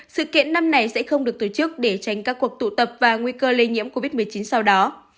sự kiện năm nay sẽ không được tổ chức để tránh các cuộc tụ tập và nguy cơ lây nhiễm covid một mươi chín sau đó